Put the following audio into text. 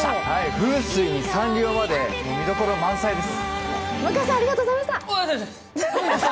風水にサンリオまで見どころ満載です。